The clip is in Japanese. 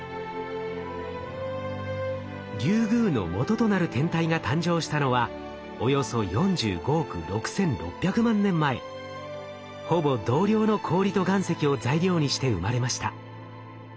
リュウグウのもととなる天体が誕生したのはほぼ同量の氷と岩石を材料にして生まれました。